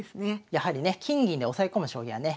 やはりね金銀で押さえ込む将棋はね